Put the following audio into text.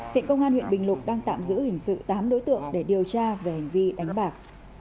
hiện công an huyện bình lục đang tạm giữ hình sự tám đối tượng để điều tra về hành vi đánh bạc